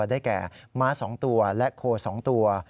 ได้แก่ม้า๒ตัวและโค๒ตัว